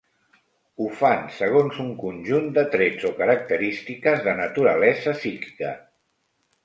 Ho fan segons un conjunt de trets o característiques de naturalesa psíquica.